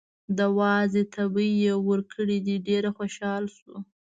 د وازدې تبی یې ورکړی دی، ډېر خوشحاله شو.